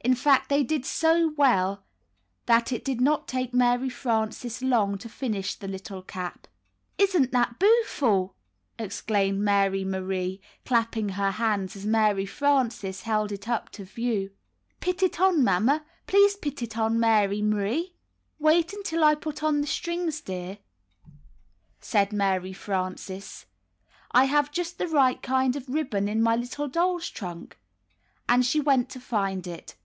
In fact, they did so well that it did not take Mary Frances long to finish the little cap. "Isn't that boo'ful!" exclaimed Mary Marie, clapping her hands as Mary Frances held it up to view. ''Pit it on, Mamma. Please pit it on Mary M'rie!" "Wait until I put on the strings, dear," said skecL tie ca^ c 178 Knitting and Crocheting Book Mary Frances. ''I have just the right kind of ribbon in my httle doll's trunk." And she went to find it.